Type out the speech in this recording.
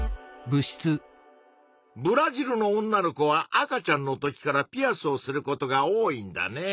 ブラジルの女の子は赤ちゃんの時からピアスをすることが多いんだね。